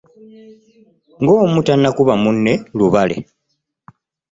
Ng’omu tannakuba munne lubale.